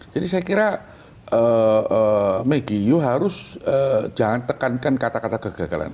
jadi saya kira megiyu harus jangan tekankan kata kata kegagalan